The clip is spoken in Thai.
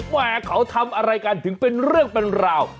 แหมเขาทำอะไรกันถึงเป็นเรื่องเป็นราว